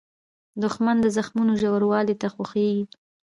دښمن د زخمونو ژوروالۍ ته خوښیږي